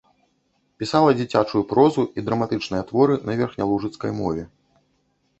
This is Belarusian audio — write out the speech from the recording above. Пісала дзіцячую прозу і драматычныя творы на верхнялужыцкай мове.